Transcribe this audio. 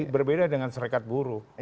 berbeda dengan serikat buruh